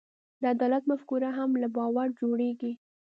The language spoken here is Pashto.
د عدالت مفکوره هم له باور جوړېږي.